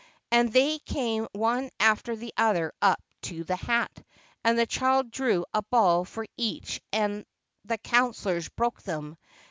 And they came one after the other up to the hat, and the child drew a ball for each and the councilors broke them.